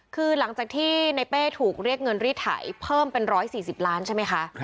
คือหลังจากที่ในเป้ถูกเรียกเงินรีดไถเพิ่มเป็น๑๔๐ล้านใช่ไหมคะ